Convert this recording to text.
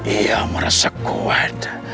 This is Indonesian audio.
ia merasa kuat